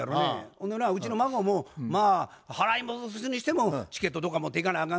ほんでなうちの孫もまあ払い戻すにしてもチケットどっか持っていかなあか